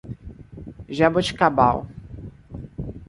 Jaboticabal